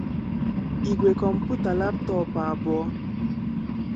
ígwè kọmputa laptọọpụ abụọ